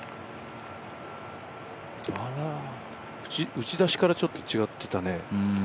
打ち出しからちょっと違ってたね。